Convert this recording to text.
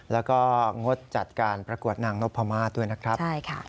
แล้วก็งดจัดการประกวดนางนพมาศด้วยนะครับ